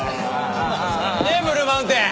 ねえブルーマウンテン！